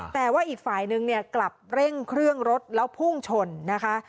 แต่ว่าอีกฝ่ายนึงเนี่ยกลับเร่งเครื่องรถแล้วพุ่งชนนะคะ